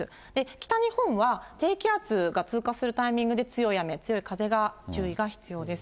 北日本は低気圧が通過するタイミングで強い雨、強い風が注意が必要です。